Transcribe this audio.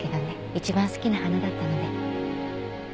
一番好きな花だったので。